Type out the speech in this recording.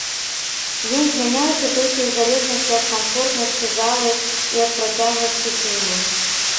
Ён змяняецца толькі ў залежнасці ад камфортнасці залы і ад працягласці фільма.